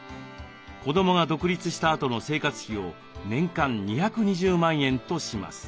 子どもが独立したあとの生活費を年間２２０万円とします。